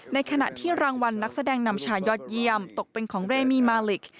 ในขณะที่รางวัลนักแสดงนำชายยอดเยี่ยมตกเป็นของเรมีมาลิก